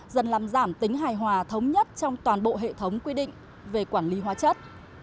dần làm giảm tính hài hòa thống nhất trong toàn bộ hệ thống quy định về quản lý hóa chất